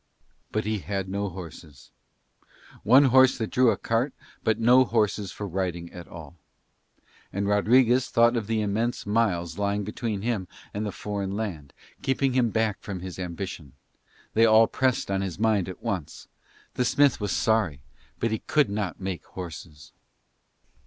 But he had no horses. One horse that drew a cart, but no horses for riding at all. And Rodriguez thought of the immense miles lying between him and the foreign land, keeping him back from his ambition; they all pressed on his mind at once. The smith was sorry, but he could not make horses.